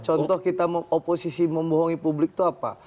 contoh kita oposisi membohongi publik itu apa